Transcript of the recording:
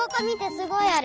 すごいある。